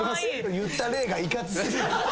言った例がいかつ過ぎる。